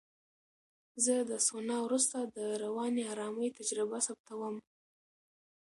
زه د سونا وروسته د رواني آرامۍ تجربه ثبتوم.